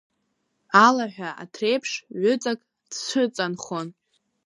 Алаҳәа аҭреиԥш, ҩыҵак дцәыҵанхон.